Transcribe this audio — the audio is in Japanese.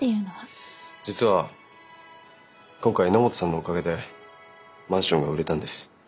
実は今回榎本さんのおかげでマンションが売れたんです。